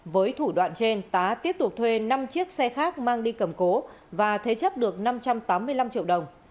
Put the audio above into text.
với thủ đoạn trên tá tiếp tục thuê năm chiếc xe khác mang đi cầm cố và thế chấp được năm trăm tám mươi năm triệu đồng